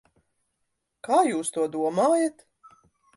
Kā jūs to domājat?